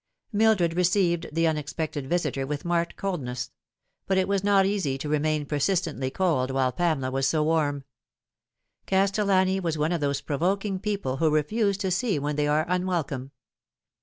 Mildred received the unexpected visitor with marked cold ness; but it was not easy to remain persistently cold while Pamela was so warm. Castellani was one of those provoking people who refuse to see when they are unwelcome.